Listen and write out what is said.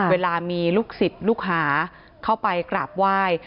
เวลามีลูกศิษย์ลูกหาเข้าไปกราบไหว้